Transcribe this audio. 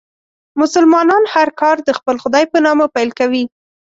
مسلمانان هر کار د خپل خدای په نامه پیل کوي.